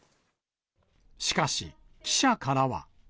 しかし、記者からは。